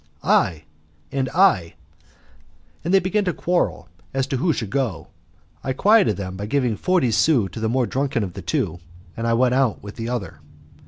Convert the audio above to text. "I," and "I"; and they began to quarrel as to who should go. I quieted them by giving forty sous to the more drunken of the two, and I went out with the other.